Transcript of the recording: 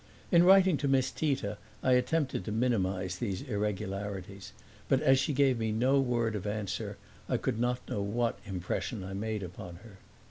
In writing to Miss Tita I attempted to minimize these irregularities; but as she gave me no word of answer I could not know what impression I made upon her.